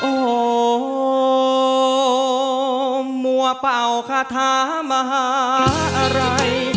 โอ้มัวเป่าคาทะมหาร่าย